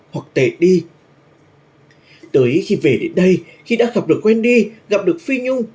hoặc tệ đi tới khi về đến đây khi đã gặp được wendy gặp được phi nhung